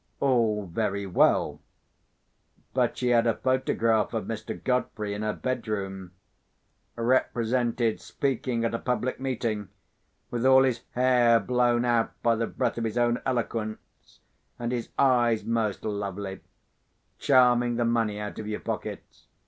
All very well—but she had a photograph of Mr. Godfrey in her bedroom; represented speaking at a public meeting, with all his hair blown out by the breath of his own eloquence, and his eyes, most lovely, charming the money out of your pockets.